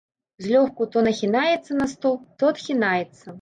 Злёгку то нахінаецца на стол, то адхінаецца.